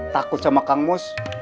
takut sama kang mus